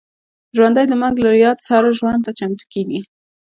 ژوندي د مرګ له یاد سره ژوند ته چمتو کېږي